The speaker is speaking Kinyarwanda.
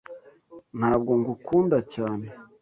Ntabwo ngukunda cyane